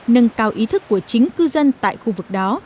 nâng cao ý thức của chính cư dân tại khu vực đó